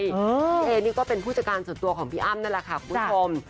พี่เอนี่ก็เป็นผู้จัดการส่วนตัวของพี่อ้ำนั่นแหละค่ะคุณผู้ชม